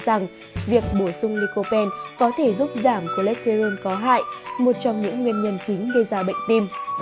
các nghiên cứu đã cho thấy rằng việc bổ sung lycopene có thể giúp giảm cholesterol có hại một trong những nguyên nhân chính gây ra bệnh tim